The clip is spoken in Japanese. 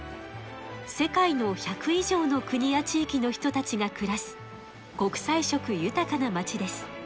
世界の１００いじょうの国やちいきの人たちがくらす国さい色ゆたかな町です。